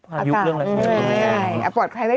อาจารย์